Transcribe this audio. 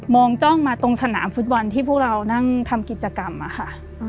จ้องมาตรงสนามฟุตบอลที่พวกเรานั่งทำกิจกรรมอะค่ะ